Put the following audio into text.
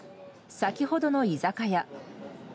先ほどの居酒屋。